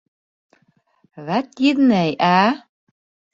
Вәт, еҙнәй, ә!